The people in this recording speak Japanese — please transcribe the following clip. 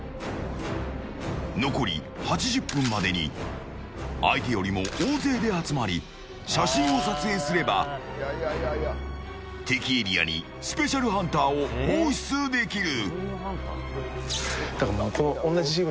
残り８０分までに相手よりも大勢で集まり写真を撮影すれば敵エリアにスペシャルハンターを放出できる。